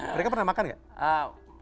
mereka pernah makan gak